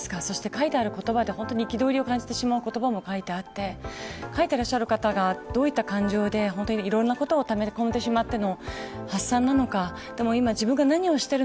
書いている言葉に憤りを感じてしまう言葉も書いてあって書いている方がどういう感情でいろんなことをため込んでしまっての発散なのか